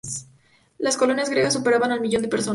Las colonias griegas superaban el millón de personas.